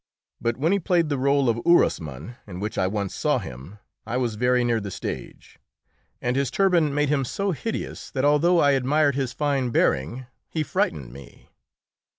But when he played the rôle of Orosmane, in which I once saw him, I was very near the stage, and his turban made him so hideous that, although I admired his fine bearing, he frightened me.